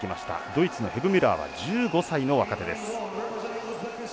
ドイツのヘブミュラーは１５歳の若手です。